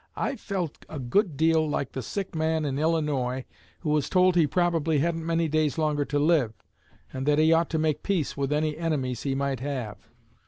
I felt a good deal like the sick man in Illinois who was told he probably hadn't many days longer to live, and that he ought to make peace with any enemies he might have.